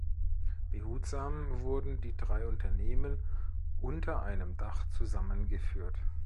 Behutsam wurden die drei Unternehmen unter einem Dach zusammengeführt.